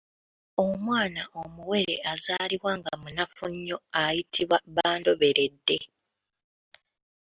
Omwana omuwere azaalibwa nga munafu nnyo ayitibwa bandoberedde.